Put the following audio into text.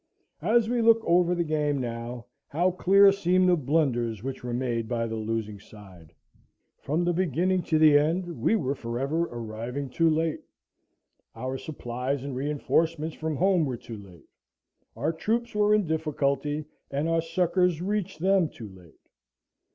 As we look over the game now, how clear seem the blunders which were made by the losing side! From the beginning to the end we were for ever arriving too late. Our supplies and reinforcements from home were too late. Our troops were in difficulty, and our succours reached them too late.